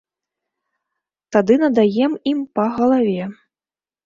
Тады надаем ім па галаве!